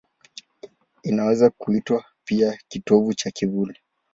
Inaweza kuitwa pia kitovu cha kivuli.